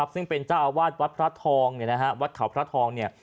ซึ่งเป็นเจ้าวาดวัดเผาพระทองเนี่ย